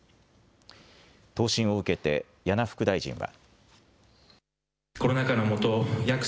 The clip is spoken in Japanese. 答申を受けて簗副大臣は。